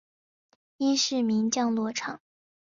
伊是名降落场。